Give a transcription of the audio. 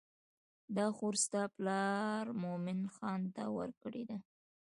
دا خور ستا پلار مومن خان ته ورکړې ده.